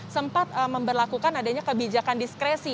sempat memperlakukan adanya kebijakan diskresi